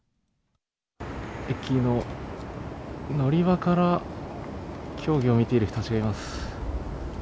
駅の乗り場から競技を見ている人たちがいます。